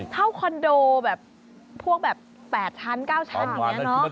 คอนโดแบบพวกแบบ๘ชั้น๙ชั้นอย่างนี้เนอะ